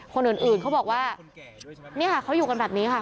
คนอื่นเขาบอกว่าเนี่ยค่ะเขาอยู่กันแบบนี้ค่ะ